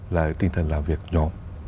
là tinh thần làm việc nhóm